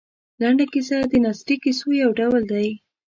لنډه کیسه د نثري کیسو یو ډول دی.